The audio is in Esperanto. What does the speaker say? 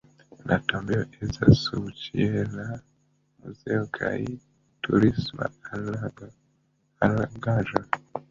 La tombejo estas subĉiela muzeo kaj turisma allogaĵo.